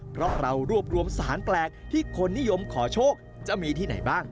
เพราะเรารวบรวมสารแปลกที่คนนิยมขอโชคจะมีที่ไหนบ้าง